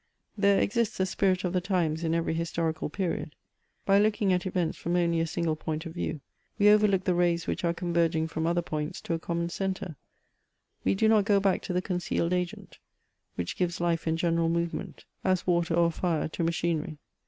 There exists a spirit of the times in every historical period. By looking at events £rom only a single point of view, we overlook the rays which are converging firom other points to a common centre; we do not go back to the con cealed agent which gives life and general ntovement, as water or fire to machinery.